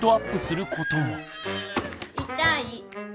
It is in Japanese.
痛い。